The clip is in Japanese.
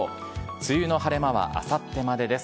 梅雨の晴れ間はあさってまでです。